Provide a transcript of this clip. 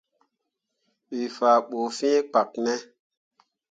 We faa bu fĩĩ kpak ne?